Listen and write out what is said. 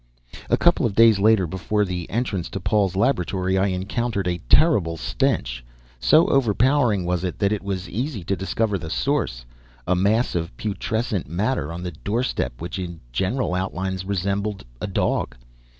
A couple of days later, before the entrance to Paul's laboratory, I encountered a terrible stench. So overpowering was it that it was easy to discover the source—a mass of putrescent matter on the doorstep which in general outlines resembled a dog.